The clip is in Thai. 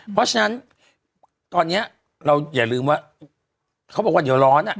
เพราะฉะนั้นตอนนี้เราอย่าลืมว่าเขาบอกว่าเดี๋ยวร้อนอ่ะ